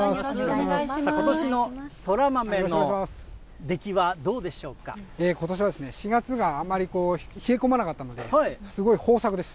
ことしのそら豆の出来はどうことしは４月があまり冷え込まなかったので、すごい豊作です。